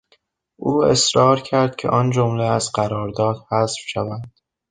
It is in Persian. او اصرار کرد که آن جمله از قرارداد حذف شود.